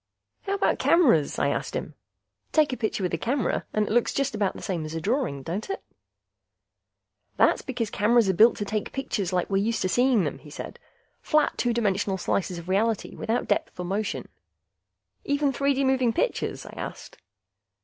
"How about cameras?" I asked him. "Take a picture with a camera and it looks just about the same as a drawing, don't it?" "That's because cameras are built to take pictures like we're used to seeing them," he said. "Flat, two dimensional slices of reality, without depth or motion." "Even 3 D moving pictures?" I asked.